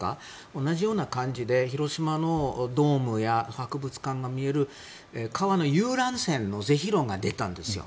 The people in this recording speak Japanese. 同じような感じで広島のドームや博物館が見える川の遊覧船の是非論が出たんですよ。